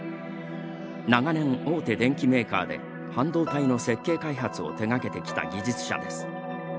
長年、大手電機メーカーで半導体の設計開発を手がけてきた技術者です。